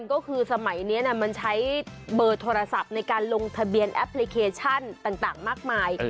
ก็คือสมัยนี้มันใช้เบอร์โทรศัพท์ในการลงทะเบียนแอปพลิเคชันต่างมากมาย